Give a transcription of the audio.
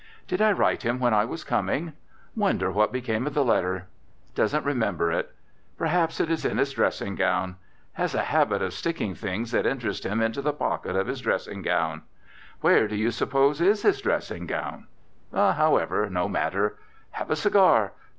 Did I write him when I was coming? Wonder what became of the letter? Doesn't remember it. Perhaps it is in his dressing gown. Has a habit of sticking things that interest him into the pocket of his dressing gown. Where, do you suppose, is his dressing gown? However, no matter. "Have a cigar.